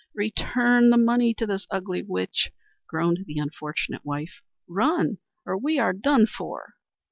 "Return the money to this ugly witch," groaned the unfortunate wife. "Run, or we are done for."